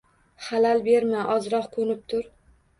Xalal berma, ozroq qo’nib tur